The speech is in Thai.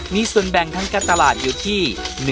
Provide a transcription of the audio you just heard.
มีส่วนแบ่งทั้งการตลาดอยู่ที่